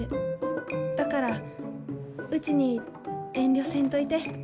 だからうちに遠慮せんといて。